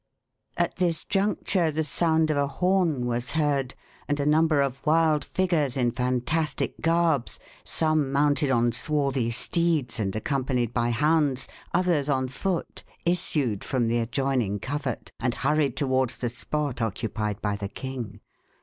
At this juncture the sound of a horn was heard, and a number of wild figures in fantastic garbs some mounted on swarthy steeds, and accompanied by hounds, others on foot issued from the adjoining covert, and hurried towards the spot occupied by the king.